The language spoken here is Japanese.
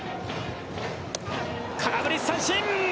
空振り三振！